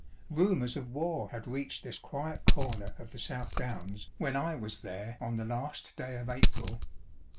Rumours of war had reached this quiet corner of the South Downs when I was there on the last day of April.